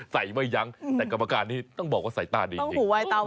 ใส่ไว้ยังแต่กรรมการนี้ต้องบอกว่าสายตาดีจริง